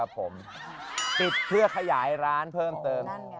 ผมปิดเพื่อขยายร้านเพิ่มเติม